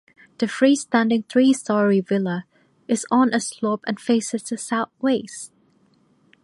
The free-standing three-story villa is on a slope and faces the south-west.